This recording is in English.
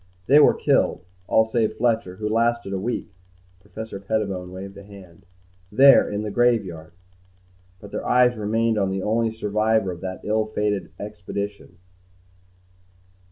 They were killed, all save Fletcher, who lasted a week." Professor Pettibone waved a hand. "There in the graveyard." But their eyes remained on the only survivor of that ill fated first expedition.